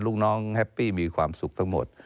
ลูกน้องแฮปปี้มีความสุขทั้งหมด